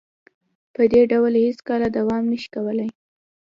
په دې ډول هیڅکله دوام نشي کولې